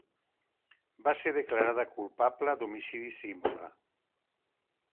Va ser declarada culpable d'homicidi simple.